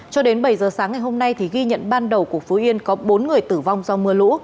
cho đến bảy giờ sáng ngày hôm nay thì ghi nhận ban đầu của phú yên có bốn người tử vong do mưa lũ